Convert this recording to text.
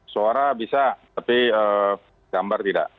suara bisa tapi gambar tidak